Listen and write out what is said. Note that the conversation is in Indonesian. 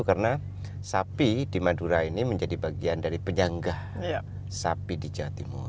karena sapi di madura ini menjadi bagian dari penyanggah sapi di jawa timur